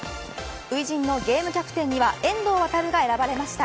初陣のゲームキャプテンには遠藤航が選ばれました。